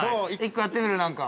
１個やってみる、なんか？